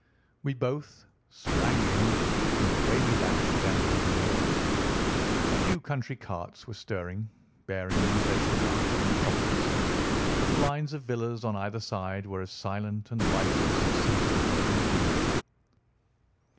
We both sprang in, and away we dashed down the London Road. A few country carts were stirring, bearing in vegetables to the metropolis, but the lines of villas on either side were as silent and lifeless as some city in a dream.